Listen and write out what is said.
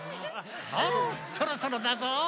おっそろそろだぞ。